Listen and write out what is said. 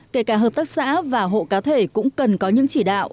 kể cả hợp tác xã và hộ cá thể cũng cần có những chỉ đạo